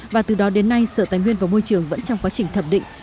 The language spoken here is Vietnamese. và từ đó đến nay sở tài nguyên và môi trường vẫn trong quá trình thẩm định